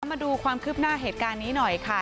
มาดูความคืบหน้าเหตุการณ์นี้หน่อยค่ะ